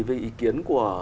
với ý kiến của